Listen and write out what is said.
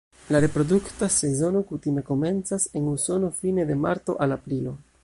La reprodukta sezono kutime komencas en Usono fine de marto al aprilo.